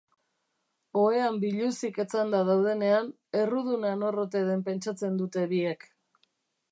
Ohean biluzik etzanda daudenean, erruduna nor ote den pentsatzen dute biek.